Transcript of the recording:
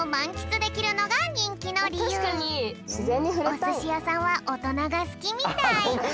おすしやさんはおとながすきみたい。